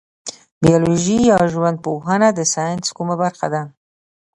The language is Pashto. بیولوژي یا ژوند پوهنه د ساینس کومه برخه ده